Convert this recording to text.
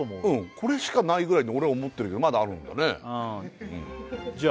これしかないぐらいに俺は思ってるけどまだあるんだねうんじゃあ